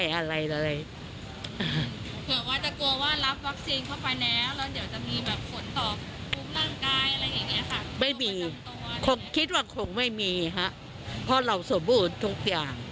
คิดว่าคงไม่มีฮะเพราะเราสมบูรณ์ทุกอย่าง